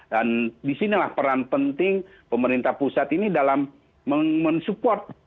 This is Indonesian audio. dan disinilah peran penting pemerintah pusat ini dalam mensupport